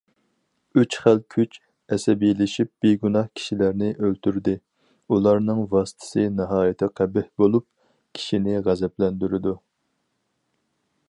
‹‹ ئۈچ خىل كۈچ›› ئەسەبىيلىشىپ، بىگۇناھ كىشىلەرنى ئۆلتۈردى، ئۇلارنىڭ ۋاسىتىسى ناھايىتى قەبىھ بولۇپ، كىشىنى غەزەپلەندۈرىدۇ.